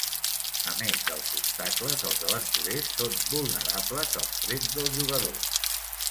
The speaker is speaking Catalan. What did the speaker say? A més dels obstacles, els aventurers són vulnerables als trets del jugador.